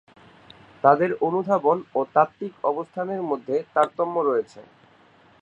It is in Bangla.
তাদের অনুধাবন ও তাত্ত্বিক অবস্থানের মধ্যে তারতম্য রয়েছে।